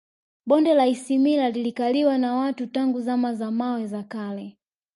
Bonde la Isimila lilikaliwa na watu tangu Zama za Mawe za Kale